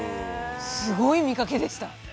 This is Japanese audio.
すごい見かけでした。